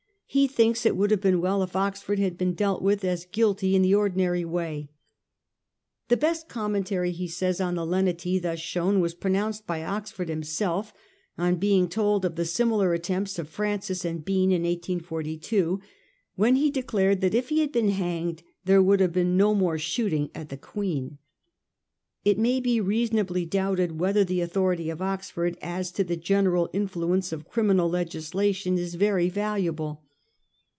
He thinks it would have been well if Oxford had been dealt with as guilty in the ordinary way. ' The best commentary,' he says, ' on the lenity thus shown was pronounced by Oxford himself, on being told of the similar attempts of Francis and Bean in 1842, when he declared that if he had been hanged there would have been no more shooting at the Queen.' It may be reasonably doubted whether the authority of Oxford as to the general influence of criminal legislation is very valuable.